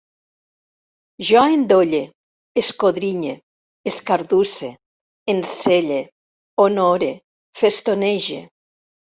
Jo endolle, escodrinye, escardusse, enselle, honore, festonege